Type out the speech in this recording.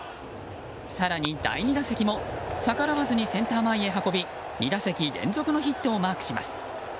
更に、第２打席も逆らわずにセンター前に運び２打席連続のヒットをマークします。